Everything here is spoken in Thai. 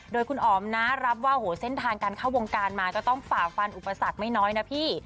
โดยคุณอ๋อมนะรับว่าเส้นทางการเข้าวงการมาก็ต้องฝ่าฟันอุปสรรคไม่น้อยนะพี่